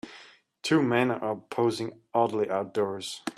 Two men are posing oddly outdoors.